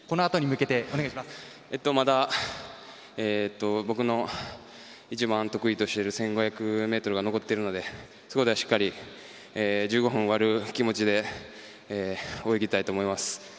まだ僕の一番得意としてる１５００ｍが残ってるのでそこで、しっかり１５分割る気持ちで泳ぎたいと思います。